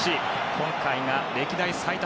今回が歴代最多